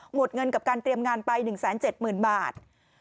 หมดเงินกับการเตรียมงานไป๑๗๐๐๐บาท